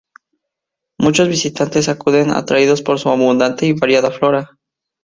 Muchos visitantes acuden atraídos por su abundante y variada flora.